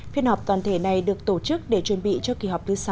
phiên họp toàn thể này được tổ chức để chuẩn bị cho kỳ họp thứ sáu